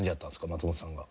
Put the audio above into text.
松本さんが。